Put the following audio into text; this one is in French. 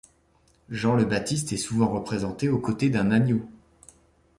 Jean le Baptiste est souvent représenté aux côtés d'un agneau.